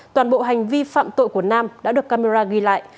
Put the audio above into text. toàn bộ hành vi phạm tội của nam đã được camera ghi lại